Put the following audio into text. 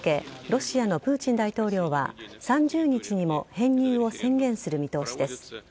ロシアのプーチン大統領は３０日にも編入を宣言する見通しです。